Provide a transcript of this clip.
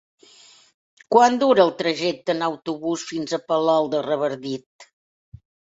Quant dura el trajecte en autobús fins a Palol de Revardit?